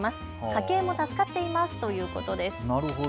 家計も助かっていますということです。